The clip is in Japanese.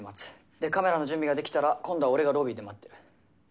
でカメラの準備が出来たら今度は俺がロビーで待ってる。